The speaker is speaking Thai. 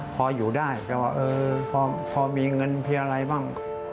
พออยู่ได้ก็ว่าเออพอมีเงินเพียงอะไรบ้าง